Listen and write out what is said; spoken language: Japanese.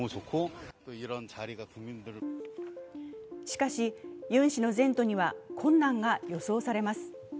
しかし、ユン氏の前途には困難が予想されます。